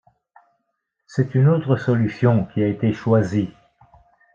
C'est une autre solution qui a été choisie.